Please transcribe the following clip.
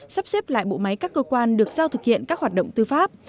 sắp xếp lại bộ máy các cơ quan được giao thực hiện các hoạt động tư pháp